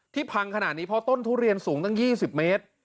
พังขนาดนี้เพราะต้นทุเรียนสูงตั้ง๒๐เมตร